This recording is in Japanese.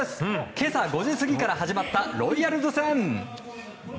今朝５時過ぎから始まったロイヤルズ戦。